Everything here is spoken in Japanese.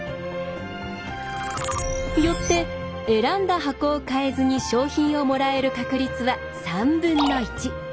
よって選んだ箱を変えずに賞品をもらえる確率は３分の１。